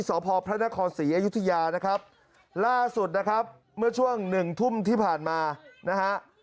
สพพระนครศรีอยุธยานะครับล่าสุดนะครับเมื่อช่วงหนึ่งทุ่มที่ผ่านมานะฮะ